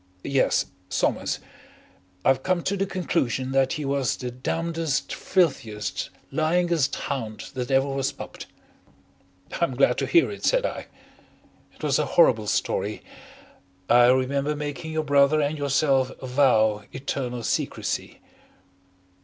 "Yes, Somers. I've come to the conclusion that he was the damn'dest, filthiest, lyingest hound that ever was pupped." "I'm glad to hear it," said I. "It was a horrible story. I remember making your brother and yourself vow eternal secrecy."